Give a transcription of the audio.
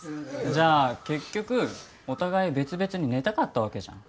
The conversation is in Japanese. じゃあ結局お互い別々に寝たかったわけじゃん。